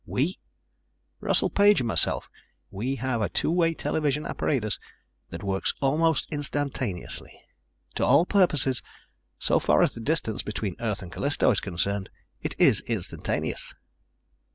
"We?" "Russell Page and myself. We have a two way television apparatus that works almost instantaneously. To all purposes, so far as the distance between Earth and Callisto is concerned, it is instantaneous."